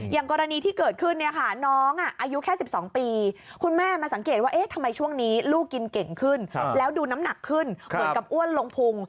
อย่างกรณีที่เกิดขึ้นเนี่ยค่ะน้องอายุแค่๑๒ปีคุณแม่มาสังเกตว่าทำไมช่วงนี้ลูกกินเก่งขึ้นแล้วดูน้ำหนักขึ้นเหมือนกับอ้วนลงพุง